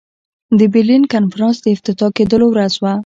د برلین د کنفرانس د افتتاح کېدلو ورځ وه.